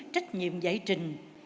trách nhiệm giải trình